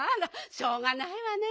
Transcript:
しょうがないわねえ。